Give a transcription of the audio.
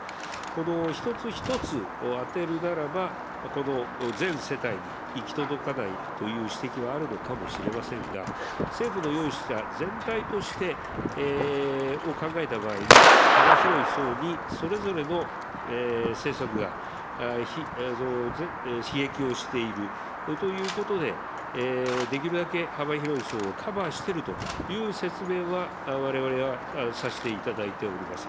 この一つ一つをあてるならば、この全世帯に行き届かないという指摘はあるのかもしれませんが、政府の用意した全体を考えた場合に、幅広い層にそれぞれの政策がひえきをしているということで、できるだけ幅広い層をカバーしているという説明はわれわれはさせていただいております。